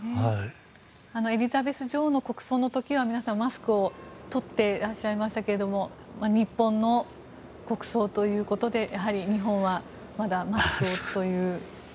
エリザベス女王の国葬の時は皆さんマスクを取っていらっしゃいましたが日本の国葬ということでやはり日本はまだマスクをという。